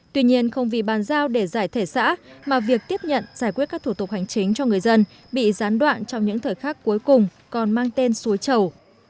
tuy nhiên không vì bàn giao để giải thể xã mà việc tiếp nhận giải quyết các thủ tục hành chính cho người dân bị gián đoạn trong những thời khắc cuối cùng còn mang tên suối chầu